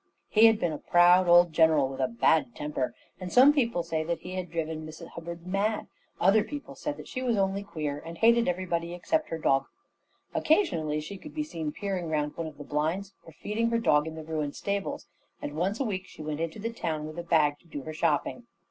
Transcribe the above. He had been a proud old general with a bad temper; and some people said that he had driven Miss Hubbard mad, but other people said that she was only queer, and hated everybody except her dog. Occasionally she could be seen peering round one of the blinds, or feeding her dog in the ruined stables; and once a week she went into the town with a big bag to do her shopping.